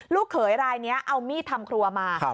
เขยรายนี้เอามีดทำครัวมา